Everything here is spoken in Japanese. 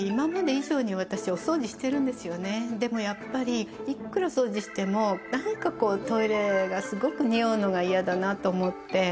でもやっぱりいくら掃除してもなんかトイレがすごくにおうのが嫌だなと思って。